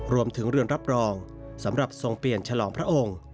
รวมถึงเรือนรับรองสำหรับทรงเปลี่ยนฉลองพระองค์